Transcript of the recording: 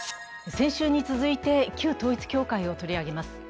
先週に続いて、旧統一教会を取り上げます。